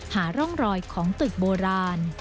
หาร่องรอยของตึกโบราณ